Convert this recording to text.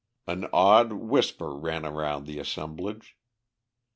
An awed whisper ran round the assemblage.